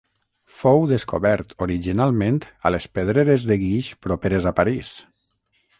Fou descobert originalment a les pedreres de guix properes a París.